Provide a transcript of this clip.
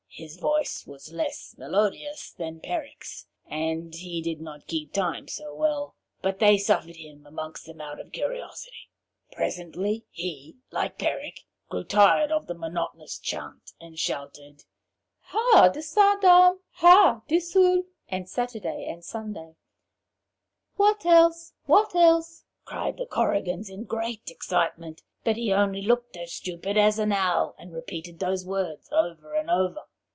His voice was less melodious than Peric's, and he did not keep time so well, but they suffered him amongst them out of curiosity. Presently he, like Peric, grew tired of the monotonous chant, and shouted: 'Ha Disadarn, ha Disul' (And Saturday and Sunday) 'What else? what else?' cried the Korrigans in great excitement, but he only looked as stupid as an owl, and repeated these words over and over.